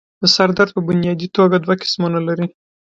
سر درد پۀ بنيادي توګه دوه قسمونه لري